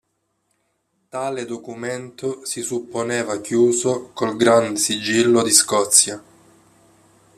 Tale documento si supponeva chiuso col Gran Sigillo di Scozia.